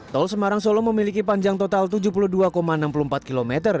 tol semarang solo memiliki panjang total tujuh puluh dua enam puluh empat km